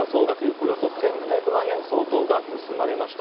およそ１７００万円相当が盗まれました。